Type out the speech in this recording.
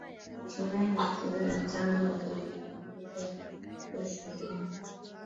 Hatimae makundi matano ya waamuzi yakatoa tuzo ishirini